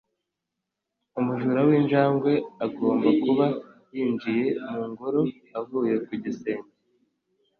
Umujura w'injangwe agomba kuba yinjiye mu ngoro avuye ku gisenge.